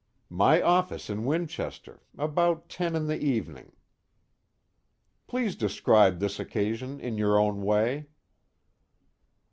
"My office in Winchester. About ten in the evening." "Please describe this occasion in your own way."